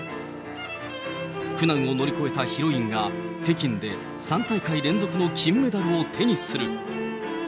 苦難を乗り越えたヒロインが、北京で３大会連続の金メダルを手にする。